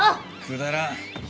くだらん。